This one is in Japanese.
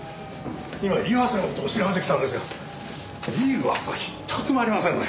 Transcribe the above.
今岩瀬の事を調べてきたんですがいい噂１つもありませんね。